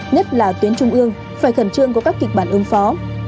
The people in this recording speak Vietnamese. nhất là tuyến trung ương phải khẩn trương có các kịch bản ứng phó